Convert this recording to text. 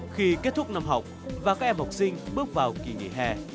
khi kết thúc năm học và các em học sinh bước vào kỳ nghỉ hè